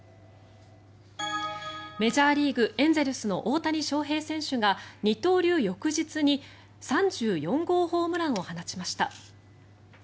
メジャーリーグ、エンゼルスの大谷翔平選手が二刀流翌日に３４号ホームランを放ちました。